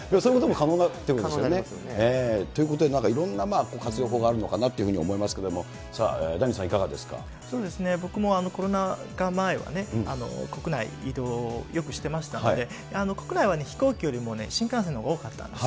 可能になりますよね。ということで、いろんな活用法があるのかなというふうに思いますけれども、僕もコロナ禍前は、国内移動よくしてましたので、国内は飛行機よりも新幹線のほうが多かったんです。